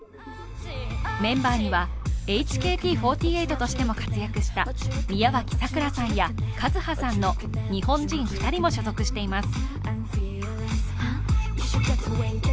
メンバーには、ＨＫＴ４８としても活躍した宮脇咲良さんやＫＡＺＵＨＡさんの日本人２人も所属しています。